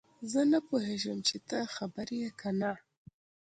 زه نه پوهیږم چې ته خبر یې که نه